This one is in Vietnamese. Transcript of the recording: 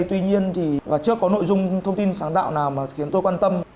tuy nhiên thì chưa có nội dung thông tin sáng tạo nào mà khiến tôi quan tâm